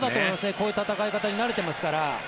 こういう戦い方慣れていますから。